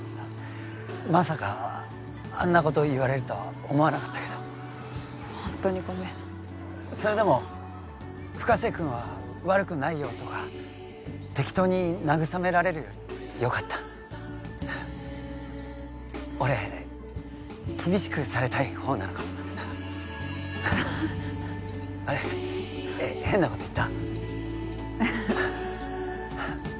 まさかあんなこと言われるとは思わなかったけどホントにごめんそれでも「深瀬君は悪くないよ」とか適当に慰められるよりもよかった俺厳しくされたいほうなのかもあれ変なこと言った？